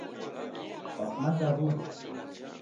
Kwafuma chaghunyi?